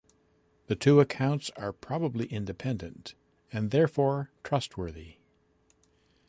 The two accounts are probably independent and therefore trustworthy.